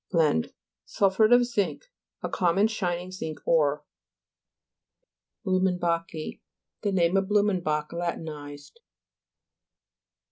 BLENDE Sulphuret of zinc, a com mon shining zinc ore. BLUMENBA'CHII The name of Blu menbach latinized.